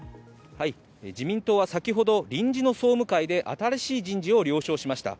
自民党は先ほど臨時の総務会で新しい人事を了承しました。